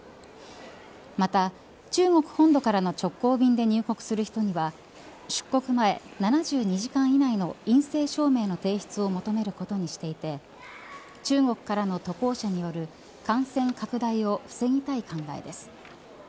また、中国本土からの直行便で入国する人には出国前７２時間以内の陰性証明の提出を求めることにしていて中国からの渡航者による感染拡大を防ぎたい考えです。